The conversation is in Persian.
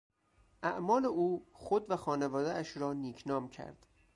اعمال او خود و خانوادهاش را نیکنام کرد.